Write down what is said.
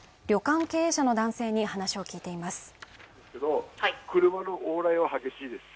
旅館経営者の男性に話を聞いています